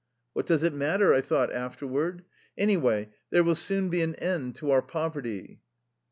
" What does it matter !" I thought afterward. " Anyway there will soon be an end to our pov erty!"